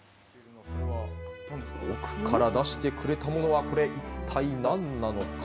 奥から出してくれたものはこれ、一体なんなのか。